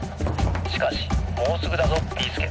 しかしもうすぐだぞビーすけ」。